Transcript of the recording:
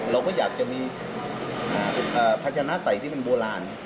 เราก็อยากจะมีพัชนะสัยที่มันโบราณ